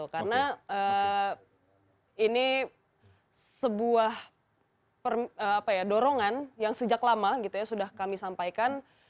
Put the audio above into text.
karena ini sebuah dorongan yang sejak lama gitu ya sudah kami sampaikan